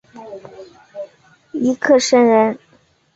尹克升人。